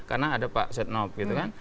karena ada pak setnop